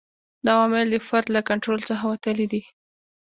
دا عوامل د فرد له کنټرول څخه وتلي دي.